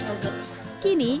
oca tengah fokus